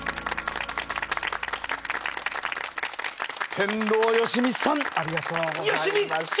天童よしみさんありがとうございました。